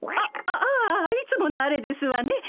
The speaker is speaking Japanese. あああいつものあれですわね。